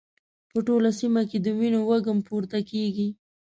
په ټوله سيمه کې د وینو وږم پورته کېږي.